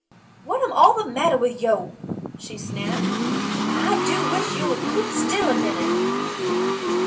"What all am the matter with yo'?" she snapped. "Ah do wish yo' would keep still a minute!"